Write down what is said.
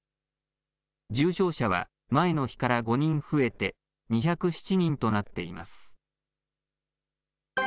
重症者は前の日から５人増えて２０７人となっています。